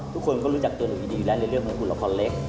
ทุกคนก็รู้จักตัวหนูดีแล้วในเรื่องของหุ่นละครเล็ก